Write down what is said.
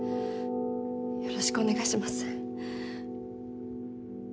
よろしくお願いします。